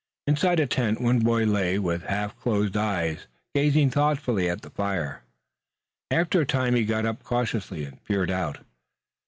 Inside a tent one boy lay with half closed eyes gazing thoughtfully at the fire. After a time he got up cautiously and peered out.